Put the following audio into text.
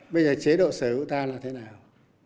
bây giờ chế độ sở hữu ta là thế nào